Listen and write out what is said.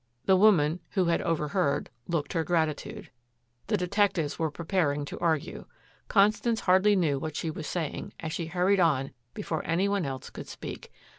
The woman, who had overheard, looked her gratitude. The detectives were preparing to argue. Constance hardly knew what she was saying, as she hurried on before any one else could speak.